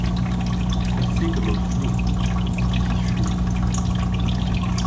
Passez comme un flot. qui fume